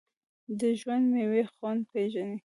ژوندي د میوې خوند پېژني